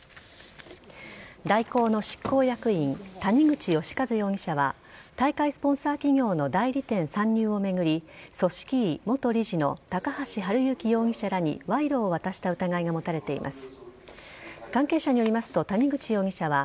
大広の執行役員谷口義一容疑者は大会スポンサー企業の代理店参入を巡り組織委員元理事の高橋治之容疑者らに賄賂を渡した疑いが持たれています。